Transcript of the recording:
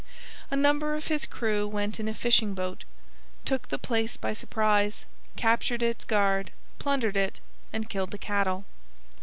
A number of his crew went in a fishing boat, took the place by surprise, captured its guard, plundered it, and killed the cattle.